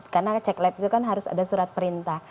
karena cek lab itu kan harus ada surat perintah